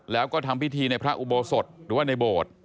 แล้วก็ทำพิธีในพระอุโบสถหรือว่าในโบสถ์